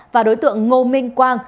và đối tượng ngô minh quang